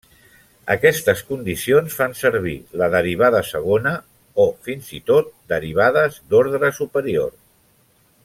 Aquestes condicions fan servir la derivada segona o fins i tot derivades d'ordre superior.